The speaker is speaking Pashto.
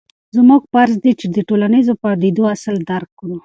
زموږ فرض دی چې د ټولنیزو پدیدو اصل درک کړو.